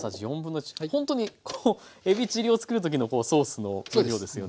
ほんとにこうえびチリを作る時のソースの分量ですよね。